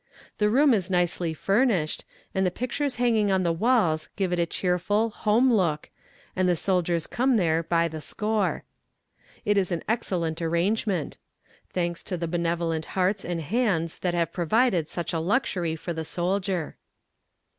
The room is nicely furnished, and the pictures hanging on the walls give it a cheerful, home look, and the soldiers come there by the score. It is an excellent arrangement. Thanks to the benevolent hearts and hands that have provided such a luxury for the soldier.